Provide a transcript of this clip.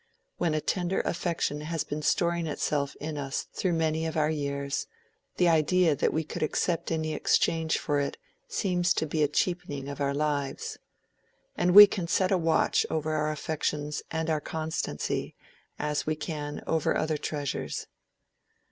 When a tender affection has been storing itself in us through many of our years, the idea that we could accept any exchange for it seems to be a cheapening of our lives. And we can set a watch over our affections and our constancy as we can over other treasures.